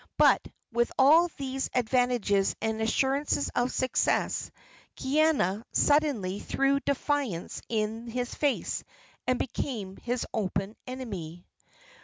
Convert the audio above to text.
But, with all these advantages and assurances of success, Kaiana suddenly threw defiance in his face and became his open enemy.